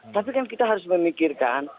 tapi kan kita harus memikirkan